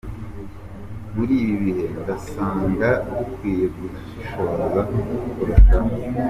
Muri ibi bihe, ndasanga dukwiye gushishoza kurushaho.